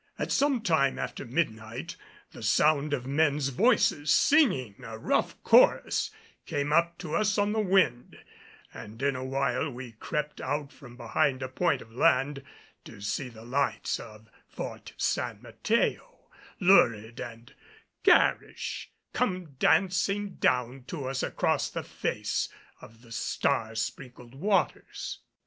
At some time after midnight the sound of men's voices singing a rough chorus came up to us on the wind; and in a while we crept out from behind a point of land to see the lights of Fort San Mateo, lurid and garish, come dancing down to us across the face of the star sprinkled waters.